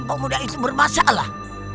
pemuda itu bermasalah